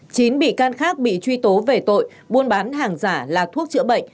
chín bị can khác bị truy tố về tội buôn bán hàng giả là thuốc chữa bệnh